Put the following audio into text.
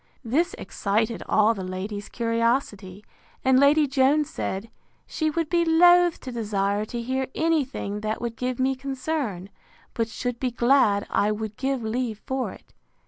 This excited all the ladies' curiosity; and Lady Jones said, She would be loath to desire to hear any thing that would give me concern; but should be glad I would give leave for it.